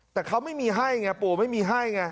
แต่เขาไม่มีให้ไงปู่ไม่มีให้ไง